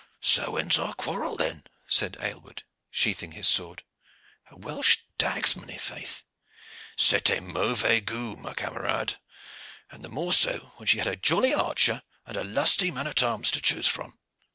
"So ends our quarrel, then," said Aylward, sheathing his sword. "A Welsh dagsman, i' faith! C'etait mauvais gout, camarade, and the more so when she had a jolly archer and a lusty man at arms to choose from."